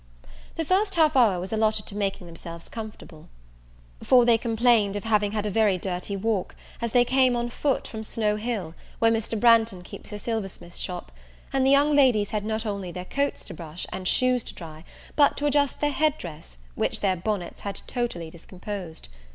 The first half hour was allotted to making themselves comfortable; for they complained of having had a very dirty walk, as they came on foot from Snow Hill, where Mr. Branghton keeps a silversmith's shop; and the young ladies had not only their coats to brush, and shoes to dry, but to adjust their head dress, which their bonnets had totally discomposed.